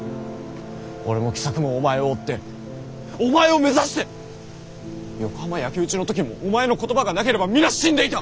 俺も喜作もお前を追ってお前を目指して横浜焼き討ちの時もお前の言葉がなければ皆死んでいた。